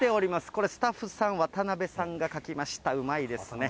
これ、スタッフさん、わたなべさんが描きました、うまいですね。